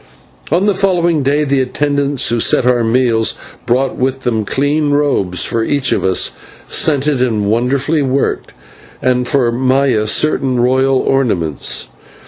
On the following day the attendants who set our meals brought with them clean robes for each of us, scented and wonderfully worked, and for Maya certain royal ornaments.